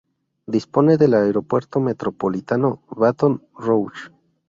Dispone del aeropuerto Metropolitano Baton Rouge.